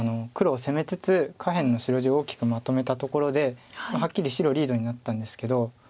黒を攻めつつ下辺の白地を大きくまとめたところではっきり白リードになったんですけど。